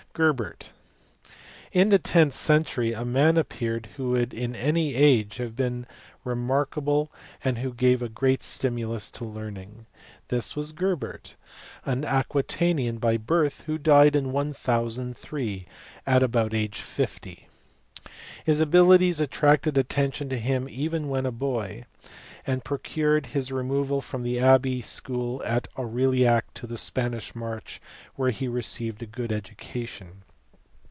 Gerbert*. In the tenth century a man appeared who would in any age have been remarkable and who gave a great stimulus to learning. This was Gerbert, an Aquitanian by birth, who died in 1003 at about the age of fifty. His abilities attracted attention to him even when a boy, and procured his removal from the abbey school at Aurillac to the Spanish inarch where he received a good education.